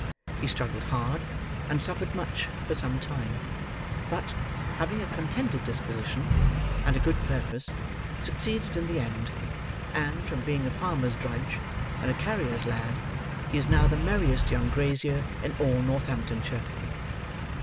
He struggled hard, and suffered much, for some time; but, having a contented disposition, and a good purpose, succeeded in the end; and, from being a farmer's drudge, and a carrier's lad, he is now the merriest young grazier in all Northamptonshire.